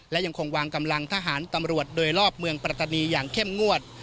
และยังคงวางกำลังทหารตำรวจโดยรอบเมืองปัตตานีอย่างเข้มงวด